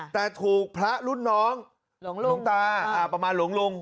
แต่ถูกพระรุ่นน้องหลวงตาประมาณหลวงลุง